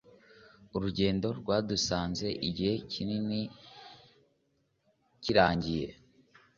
urugendo rwadusanze. igihe kinini kirangiye